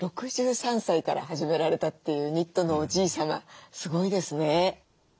６３歳から始められたっていうニットのおじい様すごいですね。